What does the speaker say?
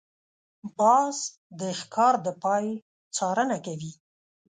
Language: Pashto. باز د ښکار د پای څارنه کوي